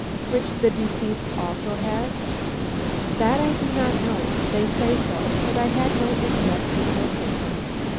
"Which the deceased also has?" "That I do not know. They say so, but I had no interest in looking."